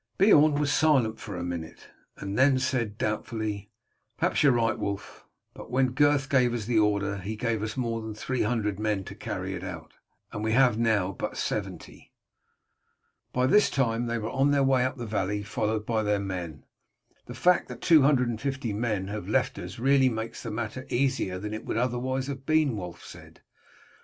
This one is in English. Beorn was silent for a minute, and then said doubtfully, "Perhaps you are right, Wulf; but when Gurth gave us the order he gave us more than three hundred men to carry it out, and we have now but seventy." By this time they were on their way up the valley, followed by their men. "The fact that two hundred and fifty men have left us really makes the matter easier than it would otherwise have been," Wulf said.